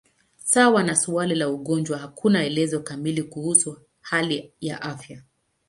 Sawa na suala la ugonjwa, hakuna elezo kamili kuhusu hali ya afya.